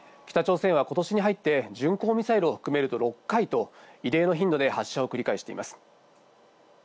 北朝鮮は今年に入って巡航ミサイルを含めると６回と異例の頻度で発射を繰り返しています。